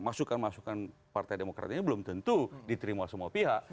masukan masukan partai demokrat ini belum tentu diterima semua pihak